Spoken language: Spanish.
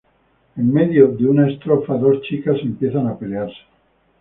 En medio de una estrofa, dos chicas empiezan a pelearse.